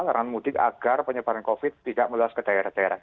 larangan mudik agar penyebaran covid tidak meluas ke daerah daerah